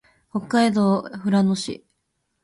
北海道富良野市